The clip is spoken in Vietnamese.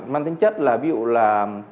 mang tính chất là ví dụ là